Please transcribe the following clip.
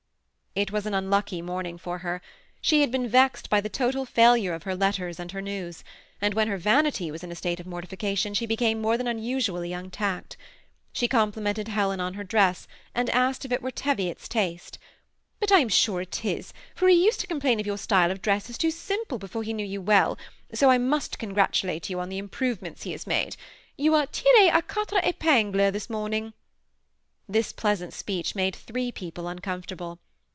It was an unlucky morning for her. She had been vexed by the total failure of her letters and her news ; and when her vanity was in a state of mortification, she became more than usually untact. She complimented Helen on her dress, and asked if it were Teviot's taste, —^ but I am sure it is, for he used to complain of your style of dress as too simple before he knew you well, so I must congratulate you on the improvements he has made : you are tiree a qtmtres epingUs this morning." This pleasant speech made three people uncomfortable.